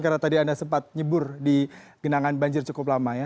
karena tadi anda sempat nyebur di genangan banjir cukup lama ya